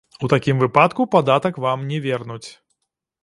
У такім выпадку падатак вам не вернуць.